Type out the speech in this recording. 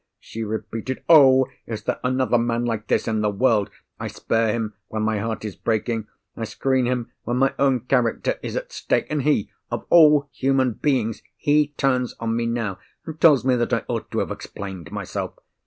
she repeated. "Oh! is there another man like this in the world? I spare him, when my heart is breaking; I screen him when my own character is at stake; and he—of all human beings, he—turns on me now, and tells me that I ought to have explained myself!